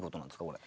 これ。